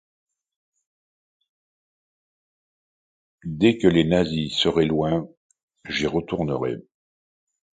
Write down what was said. Cette misère, Gilliatt l’avait plus qu’acceptée ; il l’avait voulue.